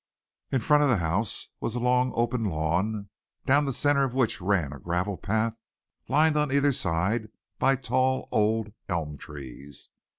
In front of the house was a long open lawn, down the centre of which ran a gravel path, lined on either side by tall old elm trees.